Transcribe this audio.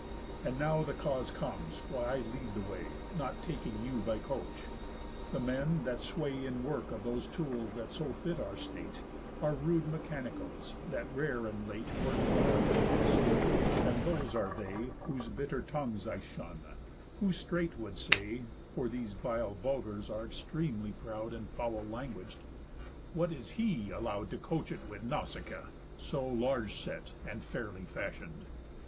And now the cause comes why I lead the way, Not taking you to coach: The men, that sway In work of those tools that so fit our state, Are rude mechanicals, that rare and late Work in the market place; and those are they Whose bitter tongues I shun, who straight would say (For these vile vulgars are extremely proud, And foully languag'd) 'What is he, allow'd To coach it with Nausicaa, so large set, And fairly fashion'd?